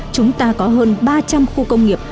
chúng ta có hơn ba trăm linh khu công nghiệp